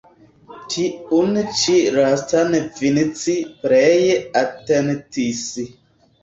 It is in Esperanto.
Tiun ĉi lastan Vinci pleje atentis.